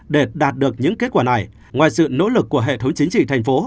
để đạt được những kết quả này ngoài sự nỗ lực của hệ thống chính trị thành phố